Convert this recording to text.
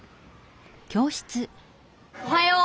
おはよう。